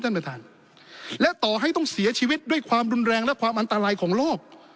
ท่านประธานและต่อให้ต้องเสียชีวิตด้วยความรุนแรงและความอันตรายของโลก